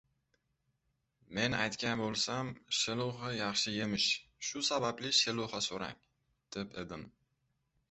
— Men aytgan bo‘lsam, sheluxa yaxshi yemish, shu sababli sheluxa so‘rang, deb edim!